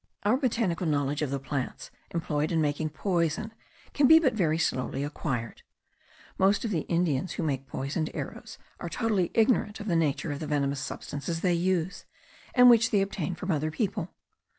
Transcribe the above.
Our botanical knowledge of the plants employed in making poison can be but very slowly acquired. Most of the Indians who make poisoned arrows, are totally ignorant of the nature of the venomous substances they use, and which they obtain from other people.